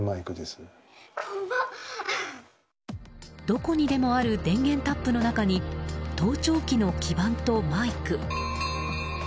どこにでもある電源タップの中に盗聴器の基盤とマイク。